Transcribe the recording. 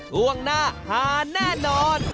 ช่วงหน้าหาแน่นอน